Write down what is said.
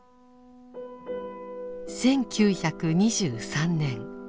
１９２３年。